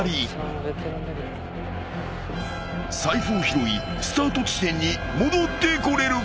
［財布を拾いスタート地点に戻ってこれるか？］